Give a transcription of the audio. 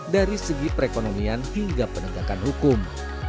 dari segi perekonomian hingga penegakan hukum